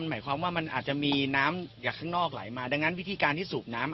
หมายความว่ามันอาจจะมีน้ำจากข้างนอกไหลมาดังนั้นวิธีการที่สูบน้ำ